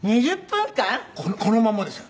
このままですよ。